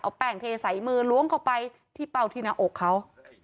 เอาแป้งเทใส่มือล้วงเข้าไปที่เป้าที่หน้าอกเขา